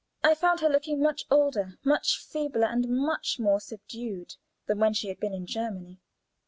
I found her looking much older, much feebler, and much more subdued than when she had been in Germany.